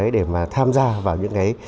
để mà tham gia vào những cái